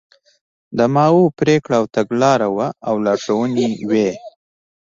د ماوو پرېکړه او تګلاره وه او لارښوونې وې.